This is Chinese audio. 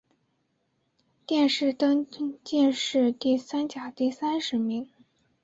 殿试登进士第三甲第三十名。